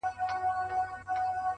هوښیار انسان فرصت نه ضایع کوي؛